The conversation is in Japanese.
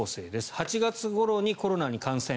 ８月ごろにコロナに感染。